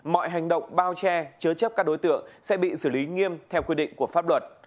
mọi hành động bao che chứa chấp các đối tượng sẽ bị xử lý nghiêm theo quy định của pháp luật